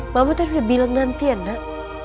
mama tadi udah bilang nanti ya nak